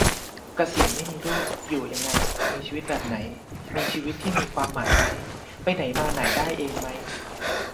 เกษียณไม่มีลูก อยู่ยังไง มีชีวิตแบบไหน มีชีวิตที่มีความหมายไหม ไปไหนมาไหนได้เองไหม